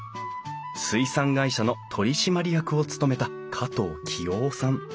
水産会社の取締役を務めた加藤清郎さん。